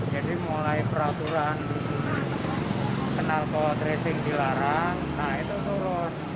jadi mulai peraturan kenalpot racing dilarang nah itu turun